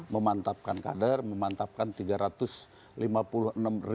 memantapkan kader memantapkan tiga ratus lima puluh enam pengurusan